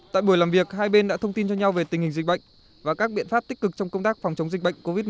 tại buổi làm việc hai bên đã thông tin cho nhau về tình hình dịch bệnh và các biện pháp tích cực trong công tác phòng chống dịch bệnh covid một mươi chín